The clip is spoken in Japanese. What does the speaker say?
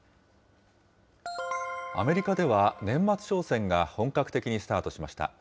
アメリカでは年末商戦が本格的にスタートしました。